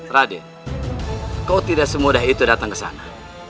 raden kau tidak semudah itu datang ke sana